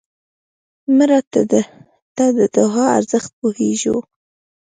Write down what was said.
مړه ته د دعا ارزښت پوهېږو